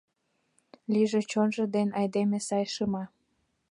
Лийже чонжо ден айдеме сай, шыма.